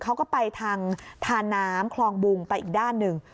เขาก็ไปทางทาน้ำคลองบุงไปอีกด้านหนึ่ง